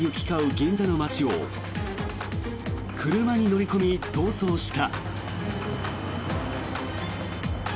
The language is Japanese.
銀座の街を車に乗り込み逃走した。